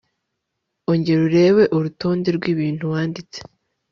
ongera urebe urutonde rw ibintu wanditse